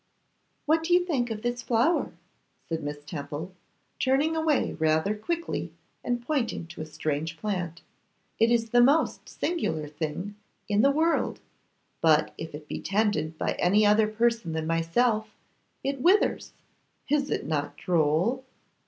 'What do you think of this flower?' said Miss Temple, turning away rather quickly and pointing to a strange plant. 'It is the most singular thing in the world: but if it be tended by any other person than myself it withers. Is it not droll?